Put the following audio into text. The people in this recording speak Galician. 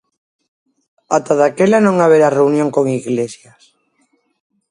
Ata daquela non haberá reunión con Iglesias.